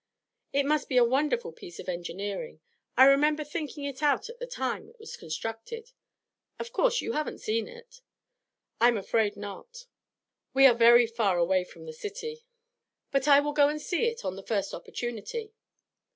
It must be a wonderful piece of engineering; I remember thinking it out at the time it was constructed. Of course you have seen it?' 'I am afraid not. We are very far away from the City. But I will go and see it on the first opportunity.'